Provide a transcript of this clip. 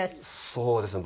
そうですね。